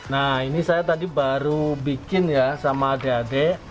nah ini saya tadi baru bikin ya sama adik adik